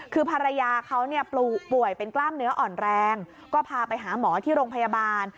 คือภรรยาเขาเนี่ยป่วยเป็นกล้ามเนื้ออ่อนแรงก็พาไปหาหมอที่โรงพยาบาล